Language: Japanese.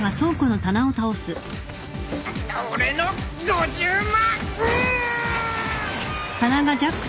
俺の５０万！